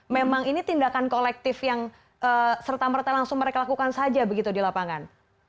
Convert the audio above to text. memang ini tindakan kolektif yang serta merta langsung mereka lakukan saja begitu di lapangan